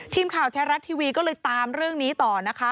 ทีมข่าวแท้รัฐทีวีก็เลยตามเรื่องนี้ต่อนะคะ